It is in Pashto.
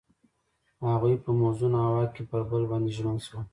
هغوی په موزون هوا کې پر بل باندې ژمن شول.